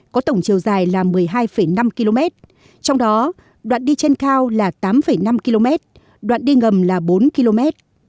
đoạn đài là một mươi hai năm km trong đó đoạn đi trên cao là tám năm km đoạn đi ngầm là bốn km